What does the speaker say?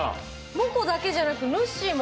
モコだけじゃなくてぬっしーも！